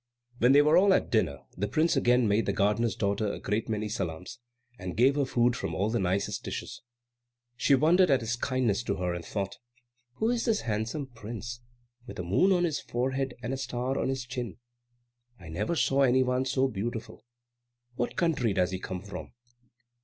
When they were all at dinner, the prince again made the gardener's daughter a great many salaams, and gave her food from all the nicest dishes. She wondered at his kindness to her, and thought, "Who is this handsome prince, with a moon on his forehead and a star on his chin? I never saw any one so beautiful. What country does he come from?"